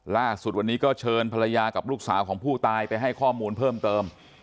ล่าสุดวันนี้ก็เชิญภรรยากับลูกสาวของผู้ตายไปให้ข้อมูลเพิ่มเติม